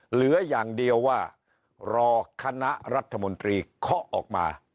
เหลืออย่างเดียวว่ารอคณะรัฐมนตรีเคาะออกมา